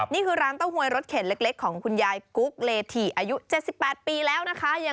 นี่คือร้านเต้าหวยรถเข็นเล็กของคุณยายกุ๊กเลถี่อายุ๗๘ปีแล้วนะคะ